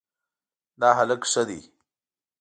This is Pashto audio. دا هلک ښه ده